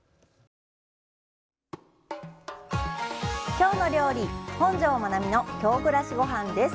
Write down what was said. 「きょうの料理」「本上まなみの京暮らしごはん」です！